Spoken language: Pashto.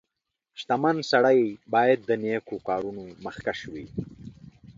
• شتمن سړی باید د نیکو کارونو مخکښ وي.